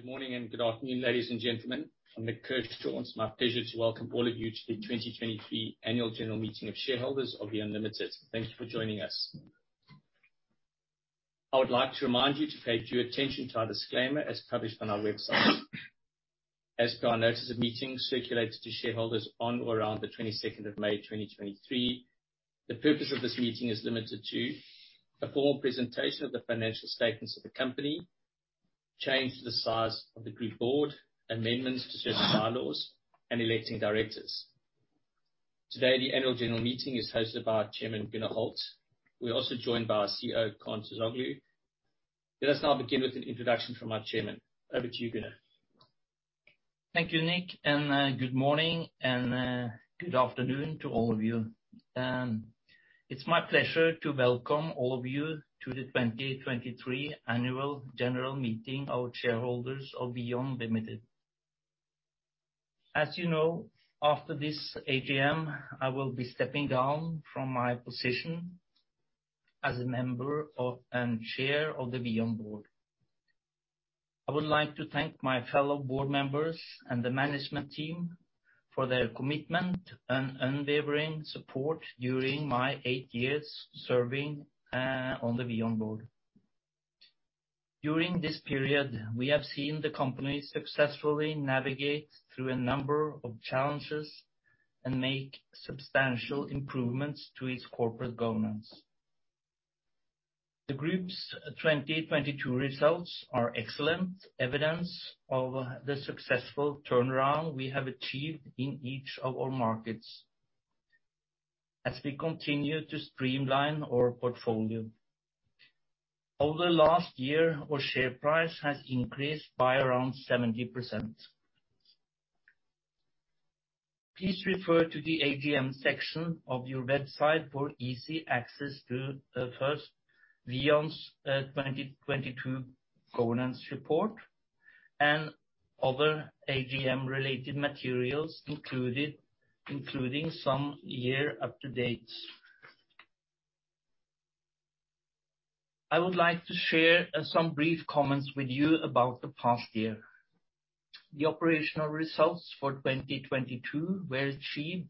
Hi, good morning, and good afternoon, ladies and gentlemen. I'm Nik Kershaw. It's my pleasure to welcome all of you to the 2023 annual general meeting of shareholders of VEON Ltd. Thank you for joining us. I would like to remind you to pay due attention to our disclaimer, as published on our website. As per our notice of meetings circulated to shareholders on or around the 22nd of May, 2023, the purpose of this meeting is limited to a full presentation of the financial statements of the company, change the size of the group board, amendments to certain bylaws, and electing directors. Today, the annual general meeting is hosted by our chairman, Gunnar Holt. We're also joined by our CEO, Kaan Terzioglu. Let us now begin with an introduction from our chairman. Over to you, Gunnar. Thank you, Nick, good morning, good afternoon to all of you. It's my pleasure to welcome all of you to the 2023 annual general meeting, our shareholders of VEON Ltd.. As you know, after this AGM, I will be stepping down from my position as a member of, and chair of the VEON Board. I would like to thank my fellow board members and the management team for their commitment and unwavering support during my eight years serving on the VEON Board. During this period, we have seen the company successfully navigate through a number of challenges, and make substantial improvements to its corporate governance. The group's 2022 results are excellent evidence of the successful turnaround we have achieved in each of our markets, as we continue to streamline our portfolio. Over the last year, our share price has increased by around 70%. Please refer to the AGM section of your website for easy access to, first, VEON's 2022 governance report, and other AGM-related materials, including some year-to-dates. I would like to share some brief comments with you about the past year. The operational results for 2022 were achieved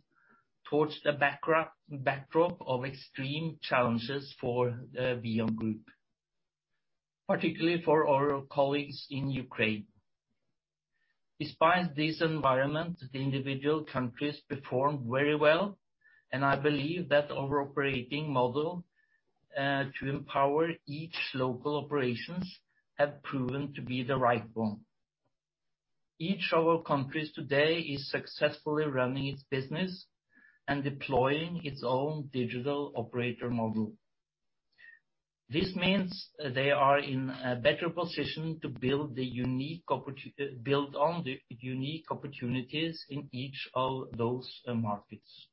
towards the backdrop of extreme challenges for the VEON group, particularly for our colleagues in Ukraine. Despite this environment, the individual countries performed very well, and I believe that our operating model to empower each local operations, have proven to be the right one. Each of our countries today is successfully running its business and deploying its own digital operator model. This means they are in a better position to build the unique opportunities in each of those markets.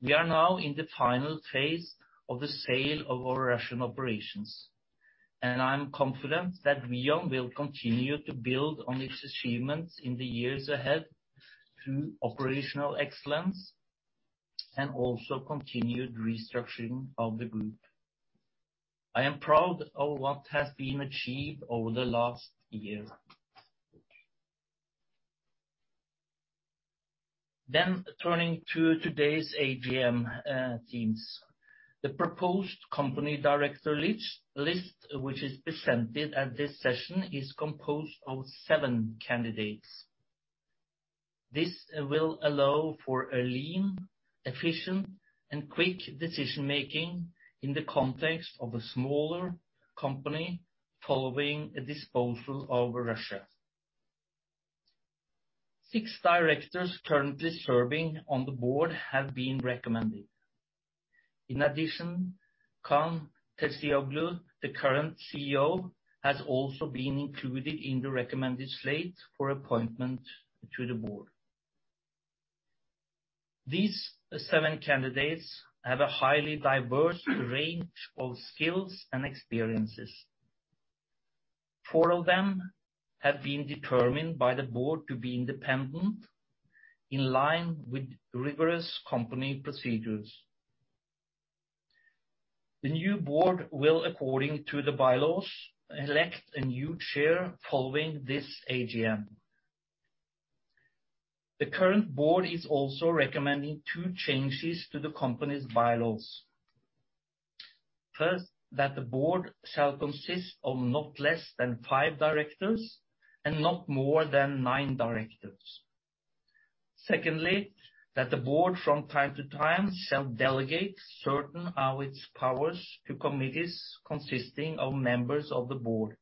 We are now in the final phase of the sale of our Russian operations, and I'm confident that VEON will continue to build on its achievements in the years ahead, through operational excellence, and also continued restructuring of the group. I am proud of what has been achieved over the last year. Turning to today's AGM teams. The proposed company director list, which is presented at this session, is composed of seven candidates. This will allow for a lean, efficient, and quick decision-making in the context of a smaller company following a disposal over Russia. Six directors currently serving on the board have been recommended. In addition, Kaan Terzioglu, the current CEO, has also been included in the recommended slate for appointment to the board. These seven candidates have a highly diverse range of skills and experiences. Four of them have been determined by the board to be independent, in line with rigorous company procedures. The new board will, according to the bylaws, elect a new chair following this AGM. The current board is also recommending two changes to the company's bylaws. First, that the board shall consist of not less than five directors and not more than nine directors. Secondly, that the board, from time to time, shall delegate certain of its powers to committees consisting of members of the board,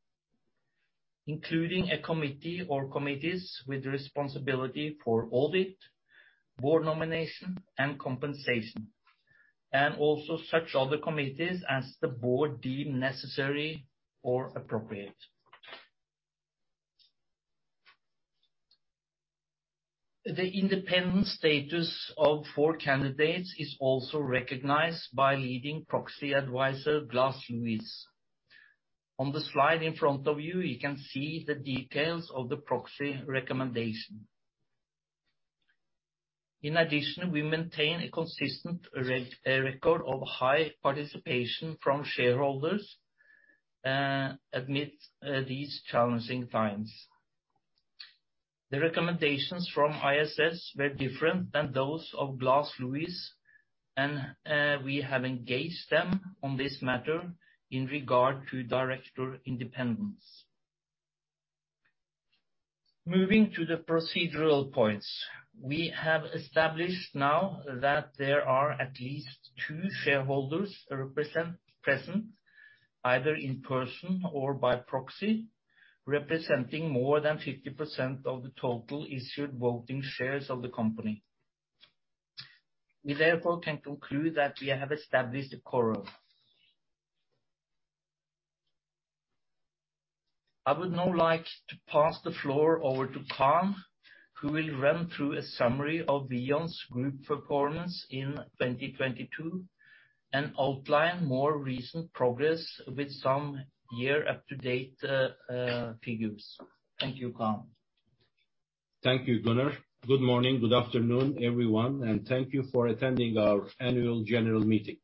including a committee or committees with responsibility for audit, board nomination, and compensation, and also such other committees as the board deem necessary or appropriate. The independent status of four candidates is also recognized by leading proxy advisor, Glass Lewis. On the slide in front of you can see the details of the proxy recommendation. In addition, we maintain a consistent record of high participation from shareholders amidst these challenging times. The recommendations from ISS were different than those of Glass Lewis, and we have engaged them on this matter in regard to director independence. Moving to the procedural points, we have established now that there are at least two shareholders present, either in person or by proxy, representing more than 50% of the total issued voting shares of the company. We therefore can conclude that we have established a quorum. I would now like to pass the floor over to Kaan, who will run through a summary of VEON's group performance in 2022, and outline more recent progress with some year up-to-date figures. Thank you, Kaan. Thank you, Gunnar. Good morning, good afternoon, everyone, thank you for attending our annual general meeting.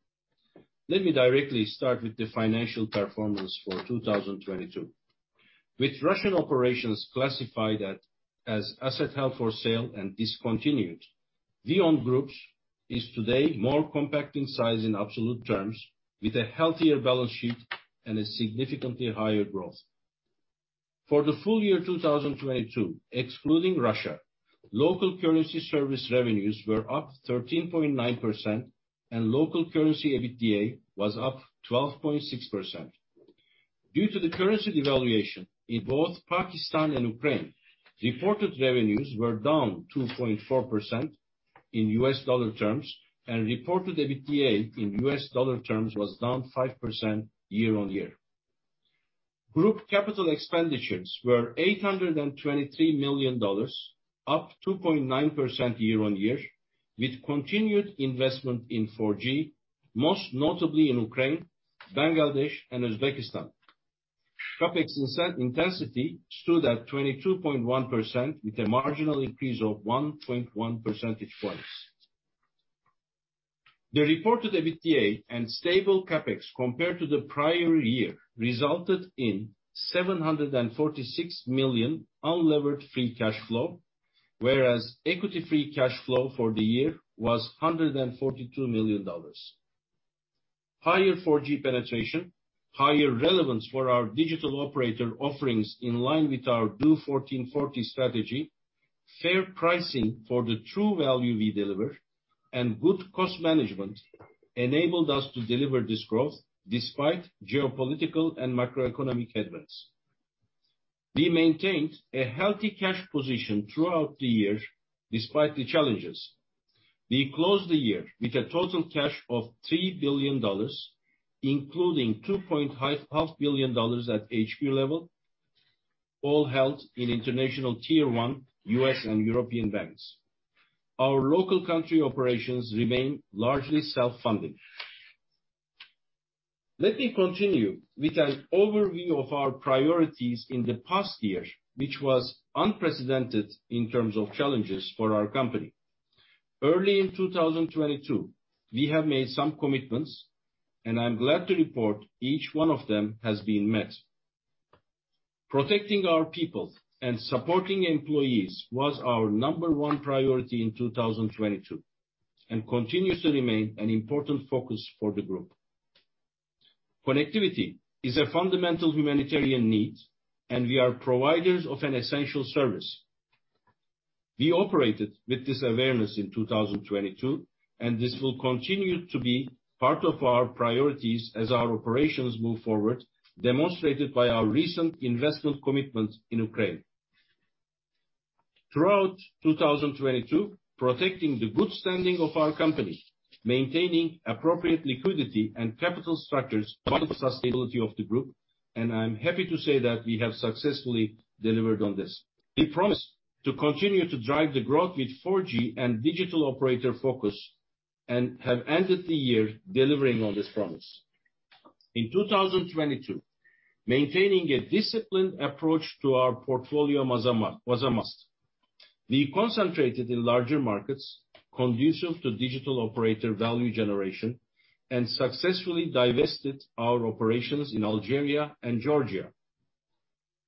Let me directly start with the financial performance for 2022. With Russian operations classified as asset held for sale and discontinued, VEON Group is today more compact in size in absolute terms, with a healthier balance sheet and a significantly higher growth. For the full year 2022, excluding Russia, local currency service revenues were up 13.9%, local currency EBITDA was up 12.6%. Due to the currency devaluation in both Pakistan and Ukraine, reported revenues were down 2.4% in U.S. dollar terms, reported EBITDA in U.S. dollar terms was down 5% year-on-year. Group capital expenditures were $823 million, up 2.9% year-on-year, with continued investment in 4G, most notably in Ukraine, Bangladesh and Uzbekistan. CapEx intensity stood at 22.1%, with a marginal increase of 1.1 percentage points. The reported EBITDA and stable CapEx compared to the prior year, resulted in $746 million unlevered free cash flow, whereas equity free cash flow for the year was $142 million. Higher 4G penetration, higher relevance for our digital operator offerings in line with our DO1440 strategy, fair pricing for the true value we deliver, and good cost management enabled us to deliver this growth despite geopolitical and macroeconomic headwinds. We maintained a healthy cash position throughout the year, despite the challenges. We closed the year with a total cash of $3 billion, including two point half billion dollars at HQ level, all held in international tier one, U.S. and European banks. Our local country operations remain largely self-funded. Let me continue with an overview of our priorities in the past year, which was unprecedented in terms of challenges for our company. Early in 2022, we have made some commitments, and I'm glad to report each one of them has been met. Protecting our people and supporting employees was our number one priority in 2022, and continues to remain an important focus for the group. Connectivity is a fundamental humanitarian need, and we are providers of an essential service. We operated with this awareness in 2022. This will continue to be part of our priorities as our operations move forward, demonstrated by our recent investment commitment in Ukraine. Throughout 2022, protecting the good standing of our company, maintaining appropriate liquidity and capital structures, sustainability of the group. I'm happy to say that we have successfully delivered on this. We promised to continue to drive the growth with 4G and digital operator focus. Have ended the year delivering on this promise. In 2022, maintaining a disciplined approach to our portfolio was a must. We concentrated in larger markets conducive to digital operator value generation. Successfully divested our operations in Algeria and Georgia.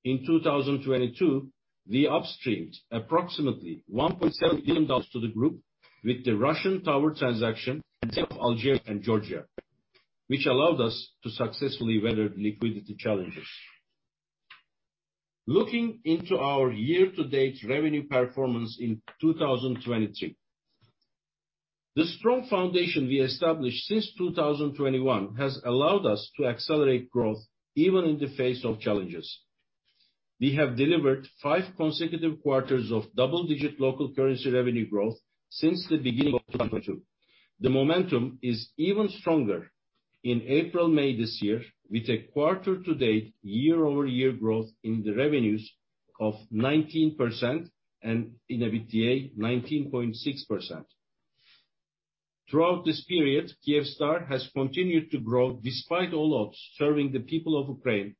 In 2022, we upstreamed approximately $1.7 billion to the group with the Russian tower transaction, Algeria, and Georgia, which allowed us to successfully weather liquidity challenges. Looking into our year-to-date revenue performance in 2023. The strong foundation we established since 2021 has allowed us to accelerate growth even in the face of challenges. We have delivered five consecutive quarters of double-digit local currency revenue growth since the beginning of 2022. The momentum is even stronger in April-May this year, with a quarter-to-date, year-over-year growth in the revenues of 19%, and in EBITDA, 19.6%. Throughout this period, Kyivstar has continued to grow despite all odds, serving the people of Ukraine,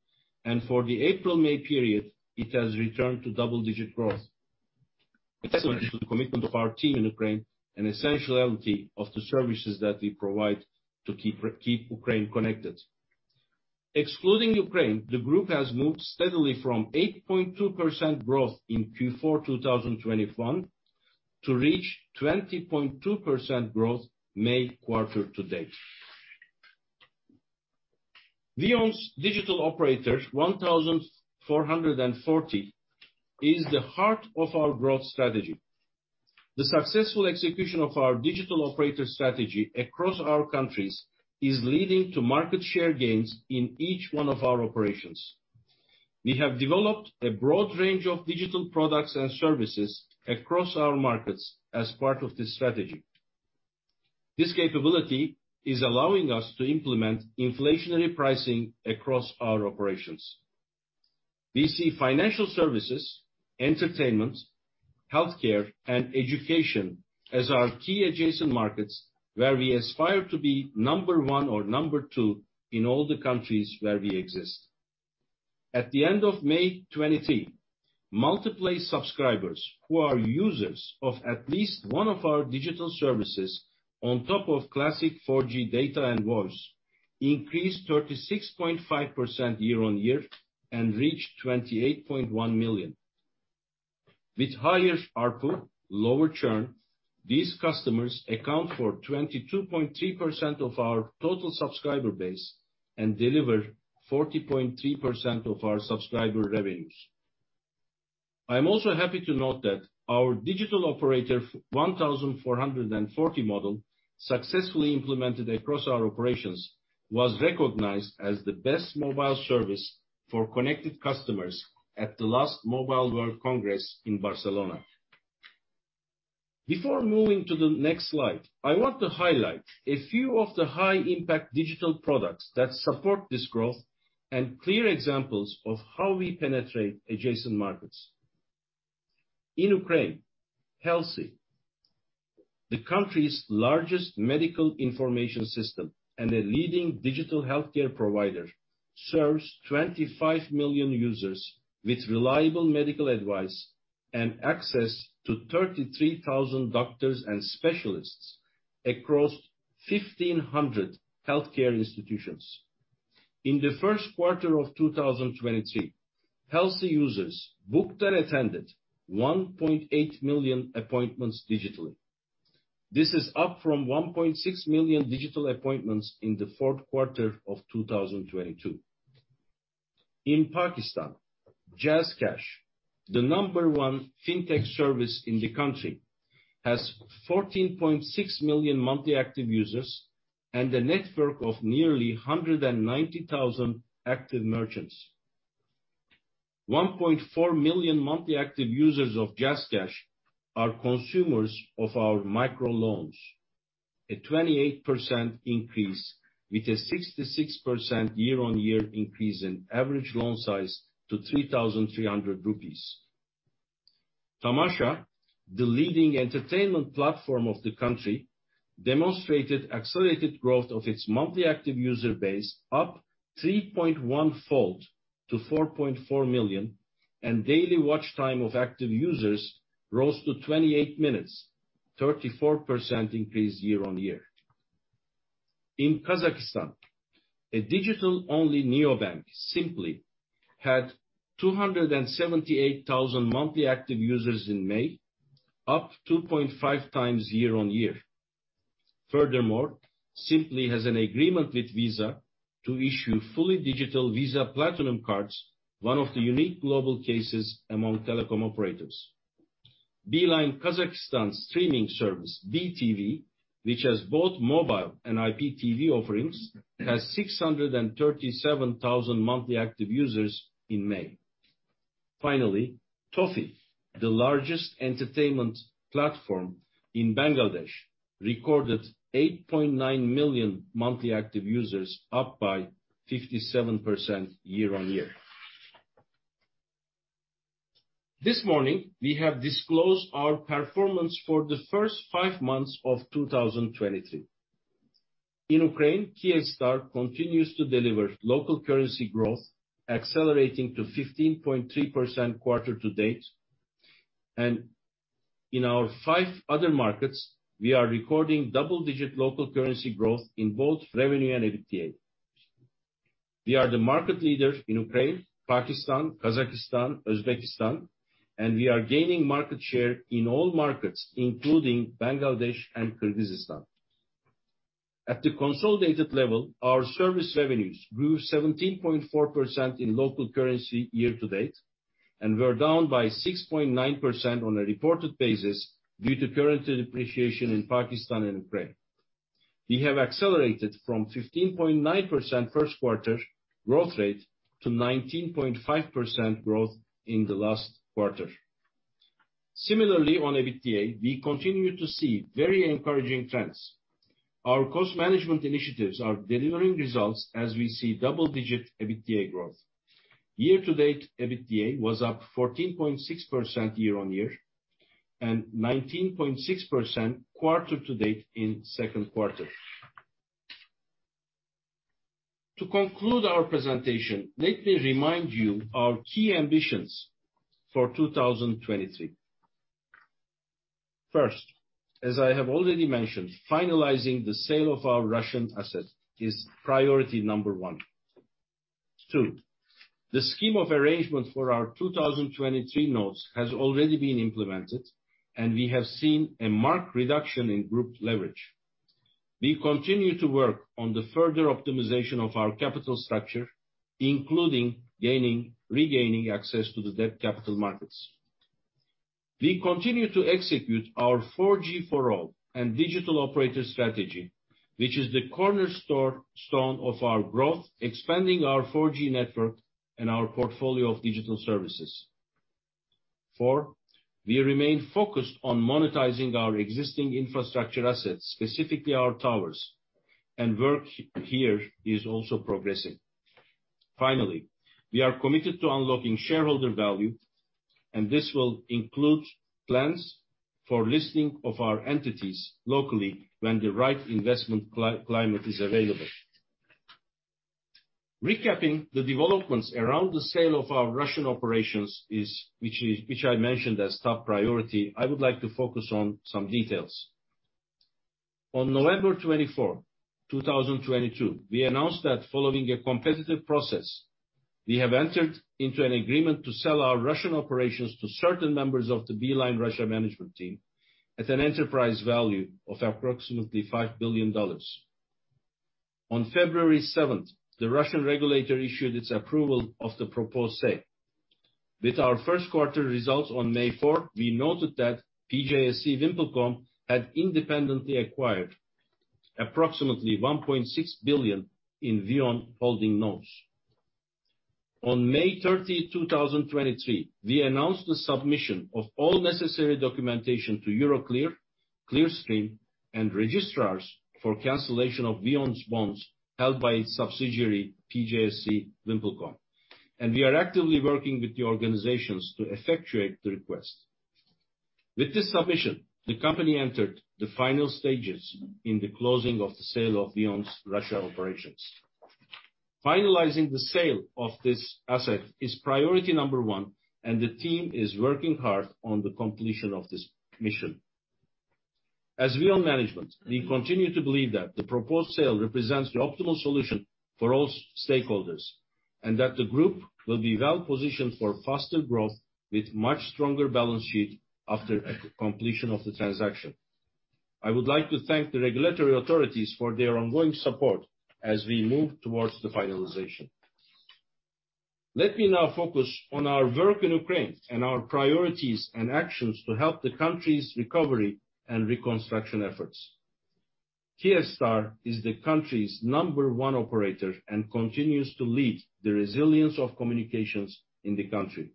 and for the April-May period, it has returned to double-digit growth. Testament to the commitment of our team in Ukraine, and essentiality of the services that we provide to keep Ukraine connected. Excluding Ukraine, the group has moved steadily from 8.2% growth in Q4 2021, to reach 20.2% growth May quarter-to-date. VEON's digital operators, 1,440, is the heart of our growth strategy. The successful execution of our digital operator strategy across our countries is leading to market share gains in each one of our operations. We have developed a broad range of digital products and services across our markets as part of this strategy. This capability is allowing us to implement inflationary pricing across our operations. We see financial services, entertainment, healthcare, and education as our key adjacent markets, where we aspire to be number one or number two in all the countries where we exist. At the end of May 2023, multiplay subscribers, who are users of at least one of our digital services on top of classic 4G data and voice, increased 36.5% year-on-year and reached 28.1 million. With higher ARPU, lower churn, these customers account for 22.3% of our total subscriber base and deliver 40.3% of our subscriber revenues. I'm also happy to note that our digital operator, 1,440 model, successfully implemented across our operations, was recognized as the best mobile service for connected customers at the last Mobile World Congress in Barcelona. Before moving to the next slide, I want to highlight a few of the high impact digital products that support this growth, clear examples of how we penetrate adjacent markets. In Ukraine, Helsi, the country's largest medical information system and a leading digital healthcare provider, serves 25 million users with reliable medical advice and access to 33,000 doctors and specialists across 1,500 healthcare institutions. In the first quarter of 2023, Helsi users booked and attended 1.8 million appointments digitally. This is up from 1.6 million digital appointments in the fourth quarter of 2022. In Pakistan, JazzCash, the number one fintech service in the country, has 14.6 million monthly active users and a network of nearly 190,000 active merchants. 1.4 million monthly active users of JazzCash are consumers of our micro loans, a 28% increase, with a 66% year-on-year increase in average loan size to PKR 3,300. Tamasha, the leading entertainment platform of the country, demonstrated accelerated growth of its monthly active user base, up 3.1-fold to 4.4 million, and daily watch time of active users rose to 28 minutes, 34% increase year-on-year. In Kazakhstan, a digital-only neobank, Simply, had 278,000 monthly active users in May, up 2.5x year-on-year. Simply has an agreement with Visa to issue fully digital Visa Platinum cards, one of the unique global cases among telecom operators. Beeline Kazakhstan's streaming service, BeeTV, which has both mobile and IPTV offerings, has 637,000 monthly active users in May. Toffee, the largest entertainment platform in Bangladesh, recorded 8.9 million monthly active users, up by 57% year-on-year. This morning, we have disclosed our performance for the first five months of 2023. In Ukraine, Kyivstar continues to deliver local currency growth, accelerating to 15.3% quarter-to-date. In our five other markets, we are recording double-digit local currency growth in both revenue and EBITDA. We are the market leader in Ukraine, Pakistan, Kazakhstan, Uzbekistan, and we are gaining market share in all markets, including Bangladesh and Kyrgyzstan. At the consolidated level, our service revenues grew 17.4% in local currency year-to-date, and were down by 6.9% on a reported basis due to currency depreciation in Pakistan and Ukraine. We have accelerated from 15.9% first quarter growth rate to 19.5% growth in the last quarter. Similarly, on EBITDA, we continue to see very encouraging trends. Our cost management initiatives are delivering results as we see double-digit EBITDA growth. Year-to-date, EBITDA was up 14.6% year-on-year, and 19.6% quarter-to-date in second quarter. To conclude our presentation, let me remind you our key ambitions for 2023. First, as I have already mentioned, finalizing the sale of our Russian asset is priority number one. Two, the scheme of arrangement for our 2023 notes has already been implemented, and we have seen a marked reduction in group leverage. We continue to work on the further optimization of our capital structure, including regaining access to the debt capital markets. We continue to execute our 4G for all and digital operator strategy, which is the cornerstone of our growth, expanding our 4G network and our portfolio of digital services. Four, we remain focused on monetizing our existing infrastructure assets, specifically our towers, and work here is also progressing. Finally, we are committed to unlocking shareholder value, and this will include plans for listing of our entities locally when the right investment climate is available. Recapping the developments around the sale of our Russian operations, which I mentioned as top priority, I would like to focus on some details. On November 24, 2022, we announced that following a competitive process, we have entered into an agreement to sell our Russian operations to certain members of the Beeline Russia management team at an enterprise value of approximately $5 billion. On February 7th, the Russian regulator issued its approval of the proposed sale. With our first quarter results on May 4th, we noted that PJSC Vimpelcom had independently acquired approximately $1.6 billion in VEON holding notes. On May 30, 2023, we announced the submission of all necessary documentation to Euroclear, Clearstream, and registrars for cancellation of VEON's bonds held by its subsidiary, PJSC Vimpelcom, and we are actively working with the organizations to effectuate the request. With this submission, the company entered the final stages in the closing of the sale of VEON's Russia operations. Finalizing the sale of this asset is priority number one, and the team is working hard on the completion of this mission. As VEON management, we continue to believe that the proposed sale represents the optimal solution for all stakeholders, and that the group will be well positioned for faster growth with much stronger balance sheet after completion of the transaction. I would like to thank the regulatory authorities for their ongoing support as we move towards the finalization. Let me now focus on our work in Ukraine and our priorities and actions to help the country's recovery and reconstruction efforts. Kyivstar is the country's number one operator and continues to lead the resilience of communications in the country.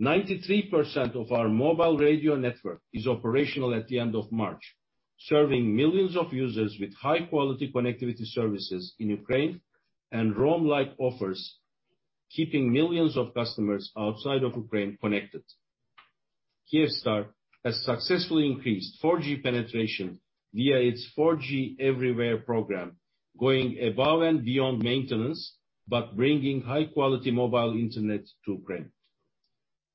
93% of our mobile radio network is operational at the end of March, serving millions of users with high-quality connectivity services in Ukraine and roam-like offers, keeping millions of customers outside of Ukraine connected. Kyivstar has successfully increased 4G penetration via its 4G Everywhere program, going above and beyond maintenance, but bringing high-quality mobile internet to Ukraine.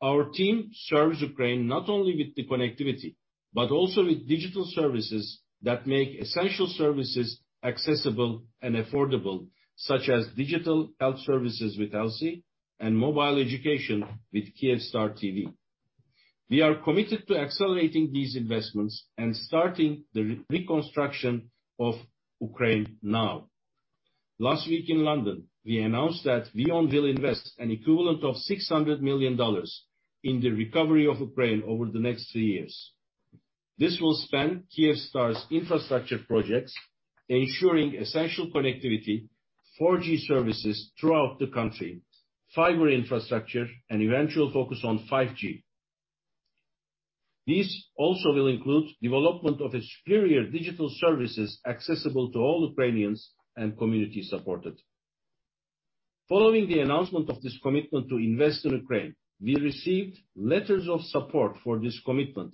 Our team serves Ukraine not only with the connectivity, but also with digital services that make essential services accessible and affordable, such as digital health services with Helsi and mobile education with Kyivstar TV. We are committed to accelerating these investments and starting the reconstruction of Ukraine now. Last week in London, we announced that VEON will invest an equivalent of $600 million in the recovery of Ukraine over the next three years. This will span Kyivstar's infrastructure projects, ensuring essential connectivity, 4G services throughout the country, fiber infrastructure, and eventual focus on 5G. This also will include development of a superior digital services accessible to all Ukrainians and community supported. Following the announcement of this commitment to invest in Ukraine, we received letters of support for this commitment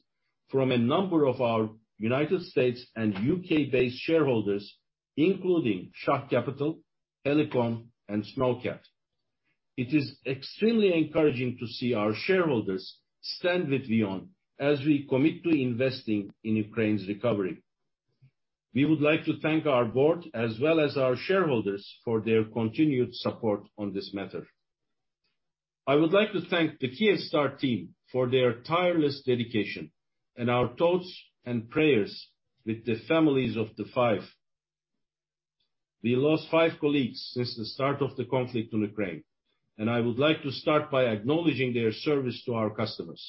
from a number of our U.S. and U.K.-based shareholders, including Shah Capital, Helikon, and Snowcat. It is extremely encouraging to see our shareholders stand with VEON as we commit to investing in Ukraine's recovery. We would like to thank our board as well as our shareholders for their continued support on this matter. I would like to thank the Kyivstar team for their tireless dedication and our thoughts and prayers with the families. We lost five colleagues since the start of the conflict in Ukraine. I would like to start by acknowledging their service to our customers.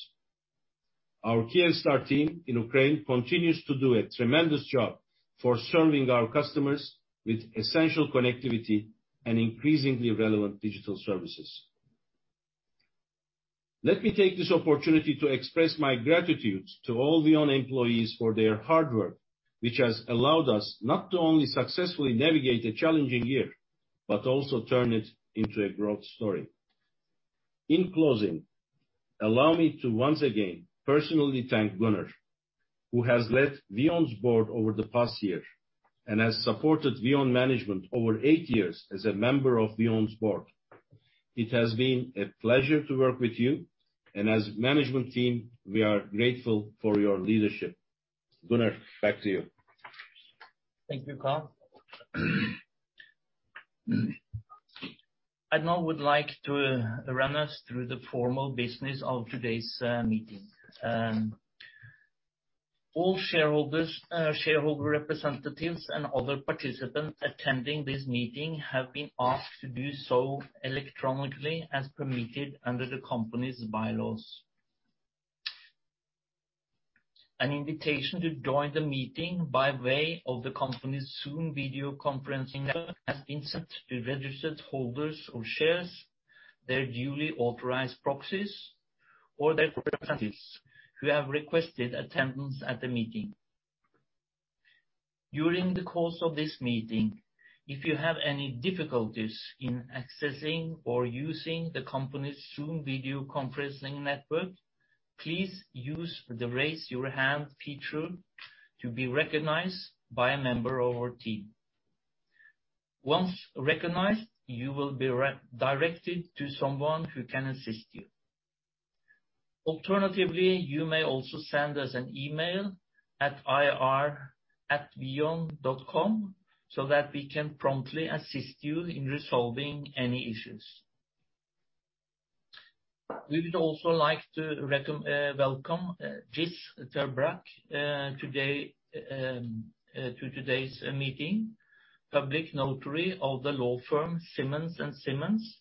Our Kyivstar team in Ukraine continues to do a tremendous job for serving our customers with essential connectivity and increasingly relevant digital services. Let me take this opportunity to express my gratitude to all VEON employees for their hard work, which has allowed us not to only successfully navigate a challenging year, but also turn it into a growth story. In closing, allow me to once again personally thank Gunnar, who has led VEON's board over the past year and has supported VEON management over eight years as a member of VEON's board. It has been a pleasure to work with you, and as management team, we are grateful for your leadership. Gunnar, back to you. Thank you, Kaan. I now would like to run us through the formal business of today's meeting. All shareholders, shareholder representatives, and other participants attending this meeting have been asked to do so electronically, as permitted under the company's bylaws. An invitation to join the meeting by way of the company's Zoom video conferencing has been sent to registered holders of shares, their duly authorized proxies, or their representatives who have requested attendance at the meeting. During the course of this meeting, if you have any difficulties in accessing or using the company's Zoom video conferencing network, please use the Raise Your Hand feature to be recognized by a member of our team. Once recognized, you will be redirected to someone who can assist you. Alternatively, you may also send us an email at ir@veon.com, so that we can promptly assist you in resolving any issues. We would also like to welcome Gijs ter Braak today to today's meeting, public notary of the law firm Simmons & Simmons,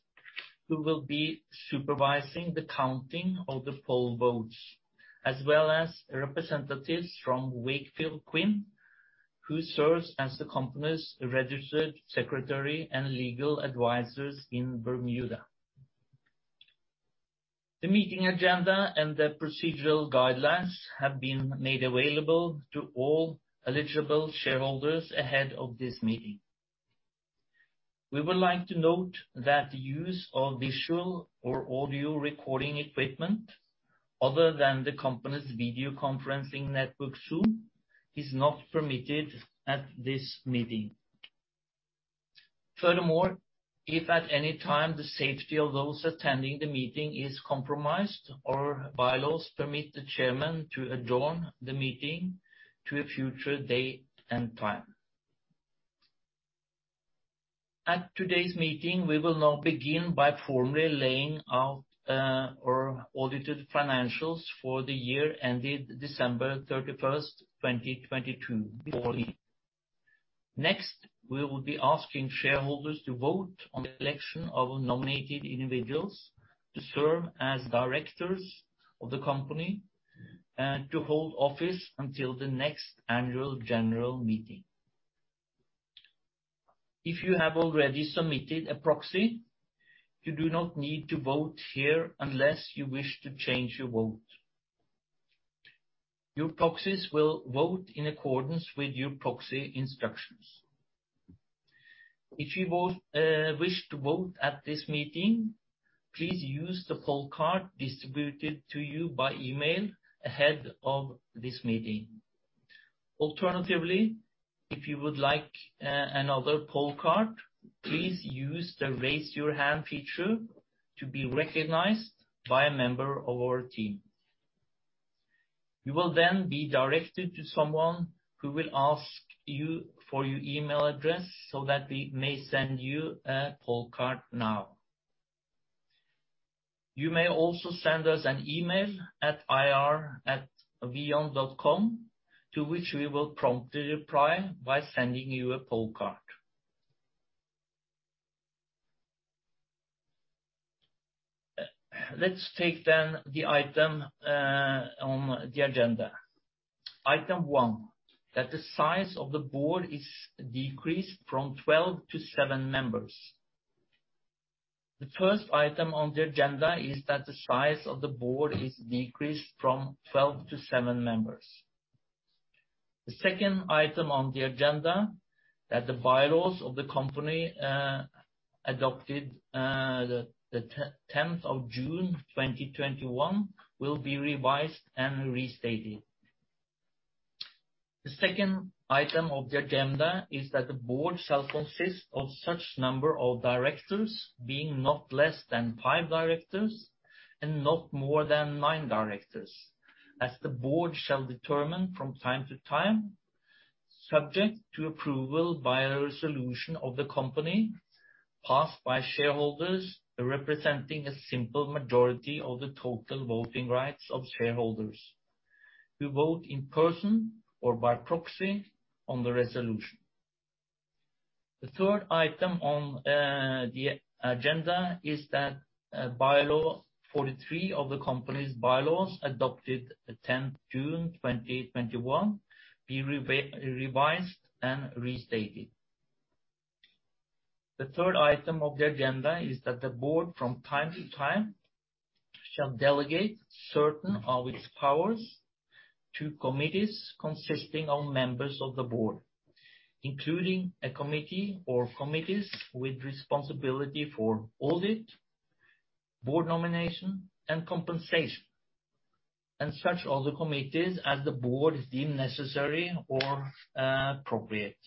who will be supervising the counting of the poll votes, as well as representatives from Wakefield Quin, who serves as the company's registered secretary and legal advisors in Bermuda. The meeting agenda and the procedural guidelines have been made available to all eligible shareholders ahead of this meeting. We would like to note that the use of visual or audio recording equipment, other than the company's video conferencing network, Zoom, is not permitted at this meeting. Furthermore, if at any time, the safety of those attending the meeting is compromised, our bylaws permit the chairman to adjourn the meeting to a future date and time. At today's meeting, we will now begin by formally laying out our audited financials for the year ended December 31st, 2022. Next, we will be asking shareholders to vote on the election of nominated individuals to serve as directors of the company to hold office until the next annual general meeting. If you have already submitted a proxy, you do not need to vote here unless you wish to change your vote. Your proxies will vote in accordance with your proxy instructions. If you wish to vote at this meeting, please use the poll card distributed to you by email ahead of this meeting. Alternatively, if you would like another poll card, please use the Raise Your Hand feature to be recognized by a member of our team. You will be directed to someone who will ask you for your email address, so that we may send you a poll card now. You may also send us an email at ir@veon.com, to which we will promptly reply by sending you a poll card. Let's take the item on the agenda. Item 1, that the size of the board is decreased from 12-7 members. The first item on the agenda is that the size of the board is decreased from 12-7 members. The second item on the agenda, that the bylaws of the company, adopted the tenth of June, 2021, will be revised and restated. The second item of the agenda is that the board shall consist of such number of directors, being not less than five directors and not more than nine directors, as the board shall determine from time to time, subject to approval by a resolution of the company, passed by shareholders representing a simple majority of the total voting rights of shareholders, who vote in person or by proxy on the resolution. The third item on the agenda is that bylaw 43 of the company's bylaws, adopted the 10th June 2021, be revised and restated. The third item of the agenda is that the board from time to time shall delegate certain of its powers to committees consisting of members of the board, including a committee or committees with responsibility for audit, board nomination, and compensation, and such other committees as the board deem necessary or appropriate.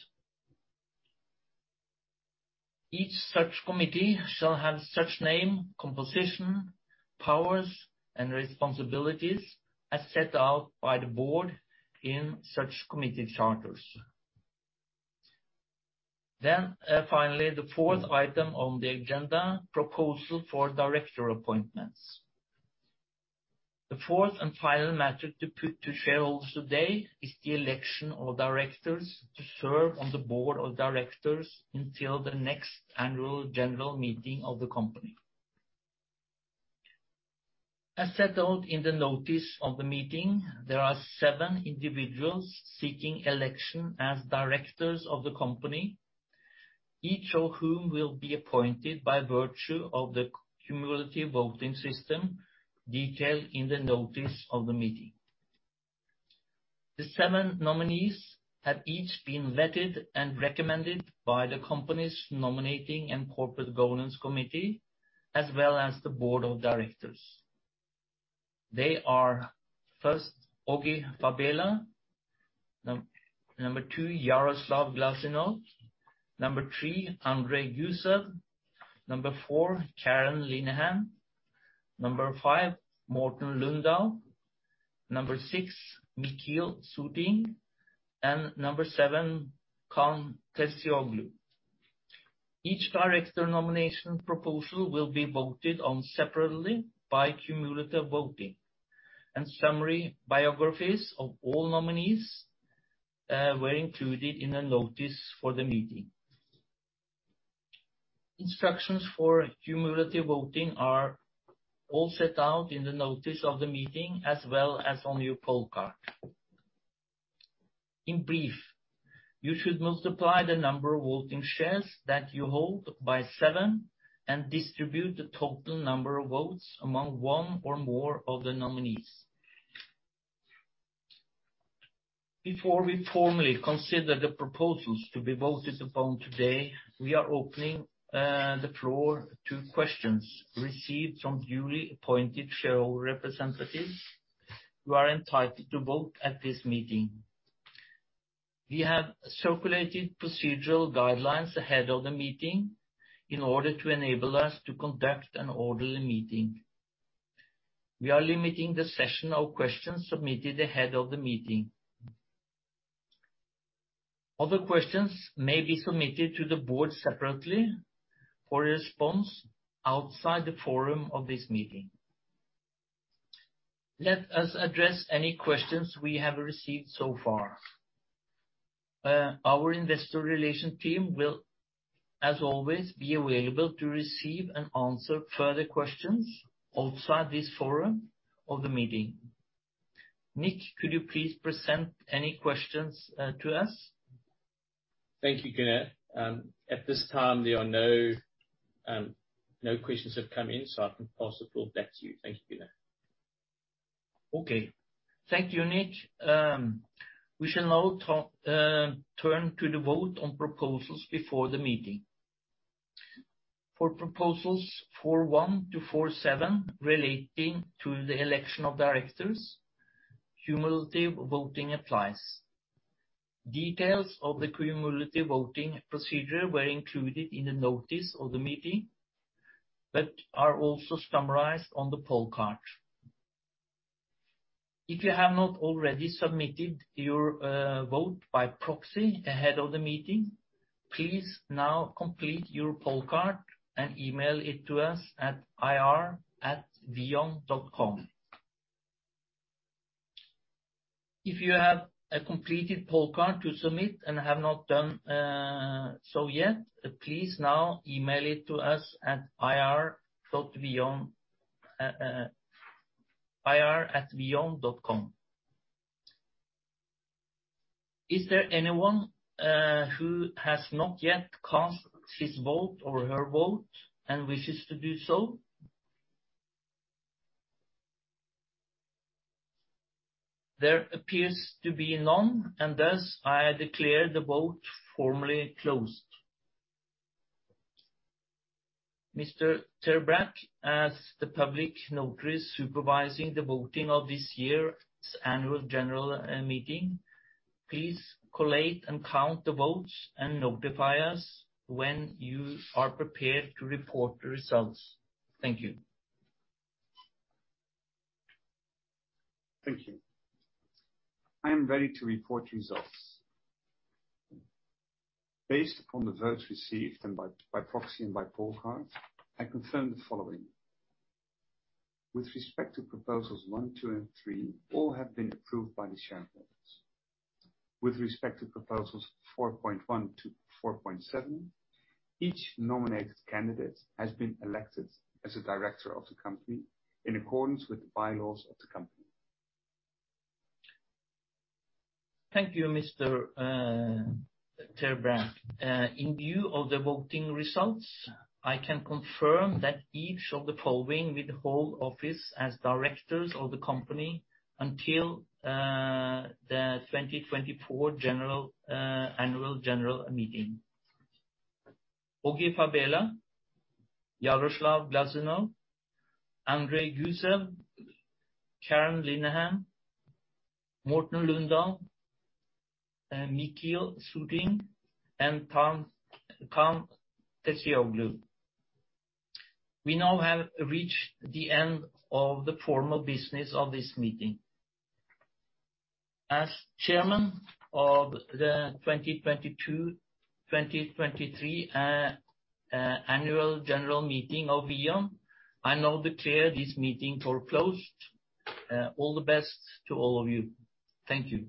Each such committee shall have such name, composition, powers, and responsibilities as set out by the board in such committee charters. Finally, the fourth item on the agenda, proposal for director appointments. The fourth and final matter to put to shareholders today is the election of directors to serve on the board of directors until the next annual general meeting of the company. As settled in the notice of the meeting, there are seven individuals seeking election as directors of the company, each of whom will be appointed by virtue of the cumulative voting system, detailed in the notice of the meeting. The seven nominees have each been vetted and recommended by the company's Nominating and Corporate Governance Committee, as well as the board of directors. They are, first, Augie Fabela. Number two, Yaroslav Glazunov. Number three, Andrei Gusev. Number four, Karen Linehan. Number five, Morten Lundal. Number six, Michiel Soeting, and number seven, Kaan Terzioğlu. Each director nomination proposal will be voted on separately by cumulative voting, and summary biographies of all nominees were included in a notice for the meeting. Instructions for cumulative voting are all set out in the notice of the meeting, as well as on your poll card. In brief, you should multiply the number of voting shares that you hold by seven and distribute the total number of votes among one or more of the nominees. Before we formally consider the proposals to be voted upon today, we are opening the floor to questions received from duly appointed shareholder representatives who are entitled to vote at this meeting. We have circulated procedural guidelines ahead of the meeting in order to enable us to conduct an orderly meeting. We are limiting the session of questions submitted ahead of the meeting. Other questions may be submitted to the board separately for a response outside the forum of this meeting. Let us address any questions we have received so far. Our investor relations team will, as always, be available to receive and answer further questions outside this forum of the meeting. Nik, could you please present any questions to us? Thank you, Gunnar. At this time, there are no questions have come in, so I can pass the floor back to you. Thank you, Gunnar. Okay. Thank you, Nik. We shall now turn to the vote on proposals before the meeting. For proposals 41-47, relating to the election of directors, cumulative voting applies. Details of the cumulative voting procedure were included in the notice of the meeting, are also summarized on the poll card. If you have not already submitted your vote by proxy ahead of the meeting, please now complete your poll card and email it to us at ir@veon.com. If you have a completed poll card to submit and have not done so yet, please now email it to us at ir@veon.com. Is there anyone who has not yet cast his vote or her vote and wishes to do so? There appears to be none, thus I declare the vote formally closed. Mr. Ter Braak, as the public notary supervising the voting of this year's annual general meeting, please collate and count the votes and notify us when you are prepared to report the results. Thank you. Thank you. I am ready to report results. Based upon the votes received, by proxy and by poll card, I confirm the following: With respect to proposals one, two, and three, all have been approved by the shareholders. With respect to proposals 4.1-4.7, each nominated candidate has been elected as a director of the company in accordance with the bylaws of the company. Thank you, Mr. ter Braak. In view of the voting results, I can confirm that each of the following will hold office as directors of the company until the 2024 general annual general meeting. Augie Fabela, Yaroslav Glazunov, Andrei Gusev, Karen Linehan, Morten Lundal, Michiel Soeting, and Kaan Terzioğlu. We now have reached the end of the formal business of this meeting. As chairman of the 2022/2023 annual general meeting of VEON, I now declare this meeting foreclosed. All the best to all of you. Thank you.